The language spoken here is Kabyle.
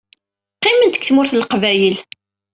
Qqiment deg Tmurt n Leqbayel.